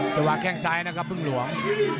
จะวางแข้งซ้ายนะครับพึ่งหลวง